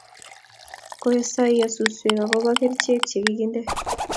kosaiyo suswek akoba kerichek che kikinde